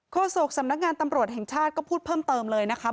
โศกสำนักงานตำรวจแห่งชาติก็พูดเพิ่มเติมเลยนะคะ